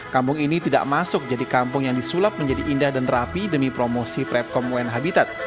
kampung ini tidak masuk jadi kampung yang disulap menjadi indah dan rapi demi promosi prepkom un habitat